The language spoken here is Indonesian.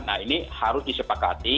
nah ini harus disepakati